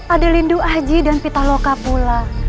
ada lindu aji dan pita loka pula